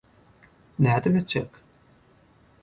Nädip etjek?